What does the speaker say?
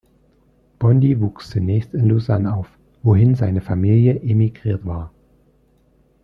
Bondi wuchs zunächst in Lausanne auf, wohin seine Familie emigriert war.